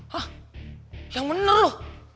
hah yang bener lo